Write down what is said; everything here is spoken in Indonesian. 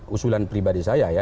usulan pribadi saya